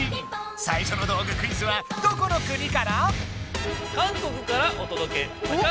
最初の道具クイズはどこの国から⁉お。